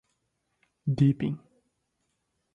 deepin